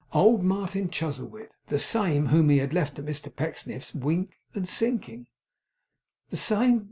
Old Martin Chuzzlewit! The same whom he had left at Mr Pecksniff's, weak and sinking! The same?